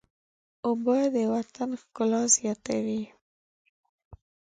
اوبه د وطن ښکلا زیاتوي.